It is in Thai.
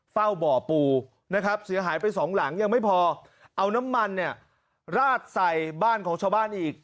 เฝ้าบ่อปูนะครับเสียหายไปสองหลังยังไม่พอเอาน้ำมันเนี่ยราดใส่บ้านของชาวบ้านอีก